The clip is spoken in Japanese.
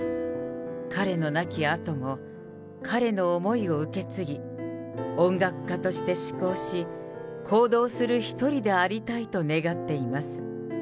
彼の亡きあとも彼の思いを受け継ぎ、音楽家として思考し、行動する一人でありたいと願っています。